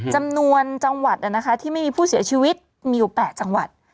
จำนวนจังหวัดที่ไม่มีผู้เสียชีวิตมีอยู่๘จังหวัด